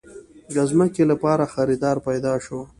د ځمکې لپاره خريدار پېدا شو.